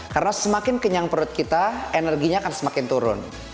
karena semakin kenyang perut kita energinya akan semakin turun